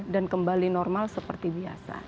dan kembali normal seperti biasa